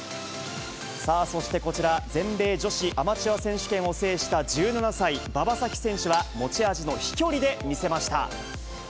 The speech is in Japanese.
さあそして、こちら、全米女子アマチュア選手権を制した１７歳、馬場咲希選手は、持ち味の飛距離で見せました。